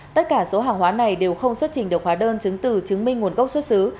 tất cả số hàng hóa này đều không xuất trình được hóa đơn chứng từ chứng minh nguồn gốc xuất xứ